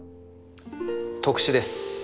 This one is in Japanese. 特殊です。